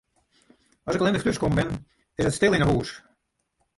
As ik allinnich thús bin, is it stil yn 'e hús.